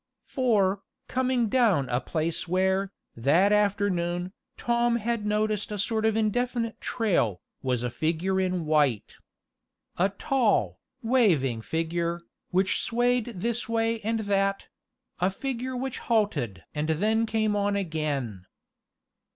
For, coming down a place where, that afternoon, Tom had noticed a sort of indefinite trail was a figure in white. A tall, waving figure, which swayed this way and that a figure which halted and then came on again.